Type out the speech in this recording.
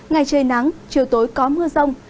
ngày trời nắng chiều tối có mưa rông